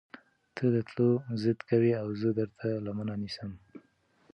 تۀ د تلو ضد کوې اؤ زۀ درته لمنه نيسم